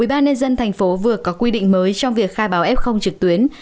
ubnd tp vừa có quy định mới trong việc khai báo f trực tuyến